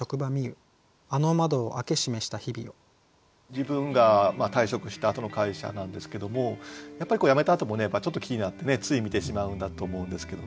自分が退職したあとの会社なんですけどもやっぱり辞めたあともちょっと気になってつい見てしまうんだと思うんですけどね。